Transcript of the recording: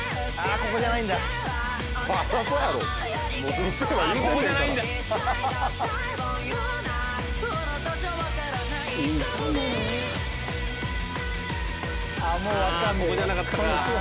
ここじゃなかったか。